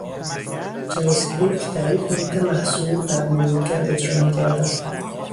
جاواسکریپت در یک محیط محصور در مرورگر اجرا میگردد